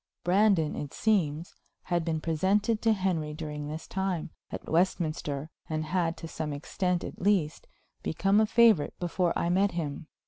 Brandon, it seems, had been presented to Henry during this time, at Westminster, and had, to some extent at least, become a favorite before I met him.